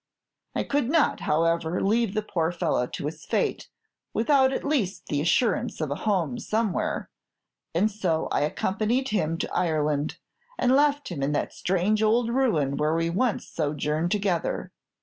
I could not, however, leave the poor fellow to his fate without at least the assurance of a home somewhere, and so I accompanied him to Ireland, and left him in that strange old ruin where we once sojourned together.